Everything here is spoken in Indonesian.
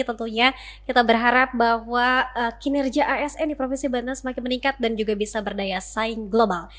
tentunya kita berharap bahwa kinerja asn di provinsi banten semakin meningkat dan juga bisa berdaya saing global